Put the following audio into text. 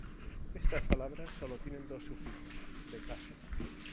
Estas palabras solo tienen dos sufijos de casos.